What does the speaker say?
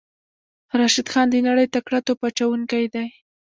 راشد خان د نړۍ تکړه توپ اچوونکی دی.